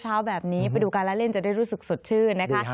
เช้าแบบนี้ไปดูการละเล่นจะได้รู้สึกสดชื่นนะคะ